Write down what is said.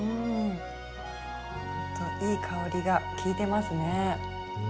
ほんといい香りがきいてますね。